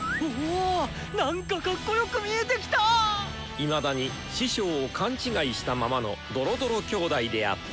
いまだに師匠を勘違いしたままのドロドロ兄弟であった。